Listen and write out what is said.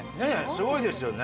すごいですよね